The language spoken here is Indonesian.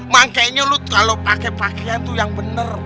makanya lo kalo pake pakaian tuh yang bener